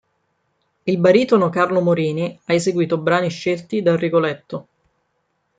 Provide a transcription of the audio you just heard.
Il baritono Carlo Morini ha eseguito brani scelti dal Rigoletto.